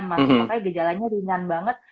masuk masuk aja gejalanya ringan banget